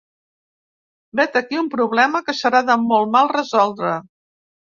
Vet aquí un problema que serà de molt mal resoldre.